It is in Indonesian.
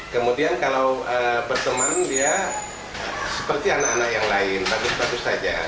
kemudian kalau berteman dia seperti anak anak yang lain bagus bagus saja